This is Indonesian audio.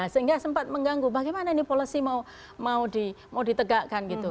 sehingga sempat mengganggu bagaimana ini polisi mau ditegakkan